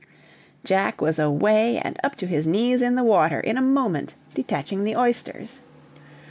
Jack was away and up to his knees in the water, in a moment, detaching the oysters.